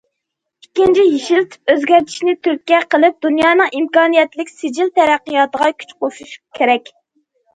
ئىككىنچى، يېشىل تىپ ئۆزگەرتىشنى تۈرتكە قىلىپ، دۇنيانىڭ ئىمكانىيەتلىك سىجىل تەرەققىياتىغا كۈچ قوشۇش كېرەك.